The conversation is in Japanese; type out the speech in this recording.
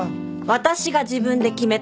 私が自分で決めたの！